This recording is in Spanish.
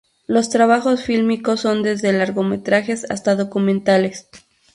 Los trabajos fílmicos son desde largometrajes hasta documentales.